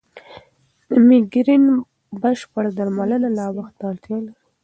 د مېګرین بشپړ درملنه لا وخت ته اړتیا لري.